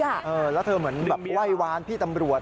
แล้วเธอเหมือนแบบไหว้วานพี่ตำรวจ